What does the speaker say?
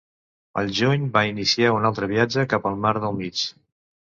Al juny, va iniciar un altre viatge cap al mar del mig.